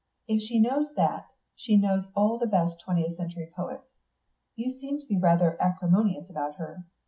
If she knows that, she knows all the best twentieth century poets. You seem to be rather acrimonious about her.